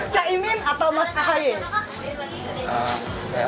cak imin atau mas ahaye